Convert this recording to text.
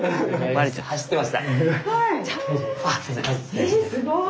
えすごい！